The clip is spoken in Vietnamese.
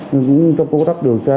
nhưng trong công tác điều tra